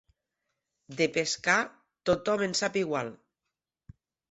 De pescar, tothom en sap igual.